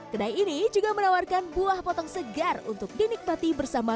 kedai ini juga menawarkan buah potong segar untuk dinikmati bersama